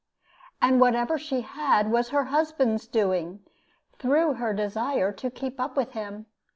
And whatever she had was her husband's doing, through her desire to keep up with him.